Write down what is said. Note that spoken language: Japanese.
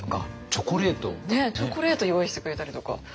チョコレート用意してくれたりとか。